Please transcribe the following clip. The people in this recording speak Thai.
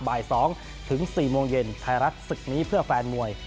บ่าย๒ถึง๔โมงเย็นไทยรัฐศึกนี้เพื่อแฟนมวย